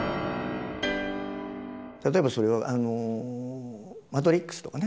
例えばそれは「マトリックス」とかね